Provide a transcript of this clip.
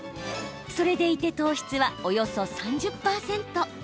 それでいて糖質は、およそ３０％。